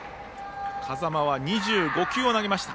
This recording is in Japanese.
風間は２５球を投げました。